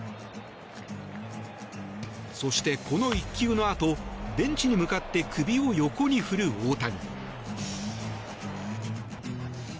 そして、この１球のあとベンチに向かって首を横に振る大谷。